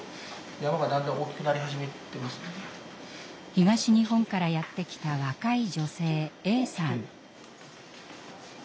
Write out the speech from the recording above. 東日本からやって来た若い女性Ａさん。